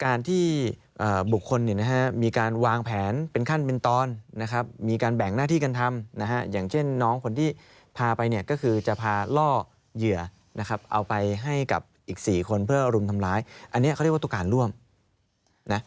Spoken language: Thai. การที่บุคคลเนี่ยนะฮะมีการวางแผนเป็นขั้นเป็นตอนนะครับมีการแบ่งหน้าที่กันทำนะฮะอย่างเช่นน้องคนที่พาไปเนี่ยก็คือจะพาล่อเหยื่อนะครับเอาไปให้กับอีก๔คนเพื่อรุมทำร้ายอันนี้เขาเรียกว่าตัวการร่วมนะ